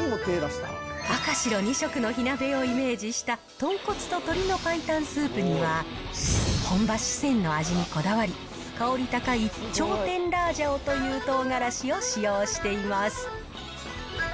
赤白２色の火鍋をイメージした豚骨と鶏の白湯スープには、本場、四川の味にこだわり、香り高いチョウテンラージャオというトウガラシを使用しています。